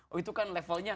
oh itu kan levelnya